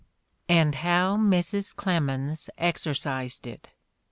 And how Mrs. Clemens exercised it!